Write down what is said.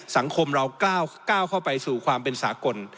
สังคมเราก้าวเข้าไปสู่ความเป็นสากล